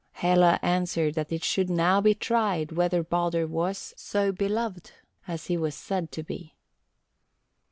Hela answered that it should now be tried whether Baldur was so beloved as he was said to be.